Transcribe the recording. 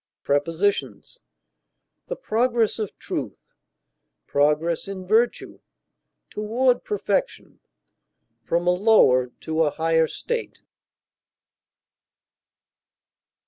Prepositions: The progress of truth; progress in virtue; toward perfection; from a lower to a higher state.